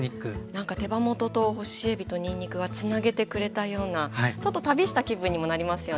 なんか手羽元と干しえびとにんにくがつなげてくれたようなちょっと旅した気分にもなりますよね。